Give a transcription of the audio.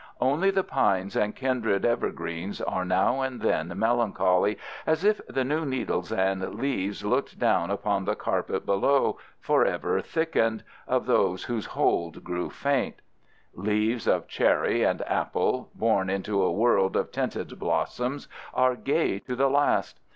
Only the pines and kindred evergreens are now and then melancholy, as if the new needles and leaves looked down upon the carpet below, forever thickened, of those whose hold grew faint. Leaves of cherry and apple, born into a world of tinted blossoms, are gay to the last.